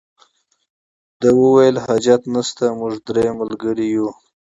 ده وویل حاجت نشته موږ درې ملګري یو.